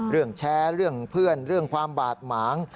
เรื่องแชร์เรื่องเพื่อนเรื่องความบาดหมาง